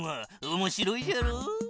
おもしろいじゃろう？